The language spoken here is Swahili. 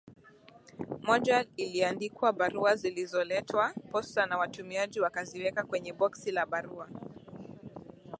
Moja iliandikwa barua zilizoletwa posta na watumiaji wakaziweka kwenye boksi la barua